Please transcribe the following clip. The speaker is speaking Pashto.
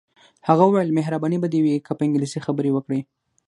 هغه وویل مهرباني به دې وي که په انګلیسي خبرې وکړې.